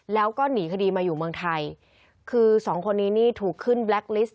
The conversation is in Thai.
แล้วก็หนีคดีมาอยู่เมืองไทยคือสองคนนี้นี่ถูกขึ้นแบล็กลิสต